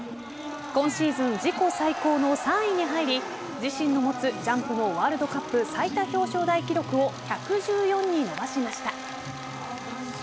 今シーズン自己最高の３位に入り自身の持つジャンプのワールドカップ最多表彰台記録を１１４に伸ばしました。